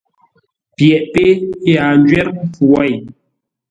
Pyeʼ pé yaa ńjwə́r mpfu wêi.